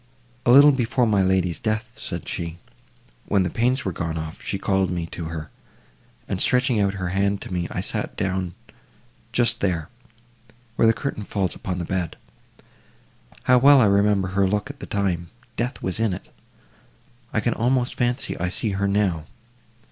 "A little before my lady's death," said she, "when the pains were gone off, she called me to her, and stretching out her hand to me, I sat down just there—where the curtain falls upon the bed. How well I remember her look at the time—death was in it!—I can almost fancy I see her now.